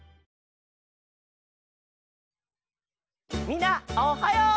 みんなおはよう！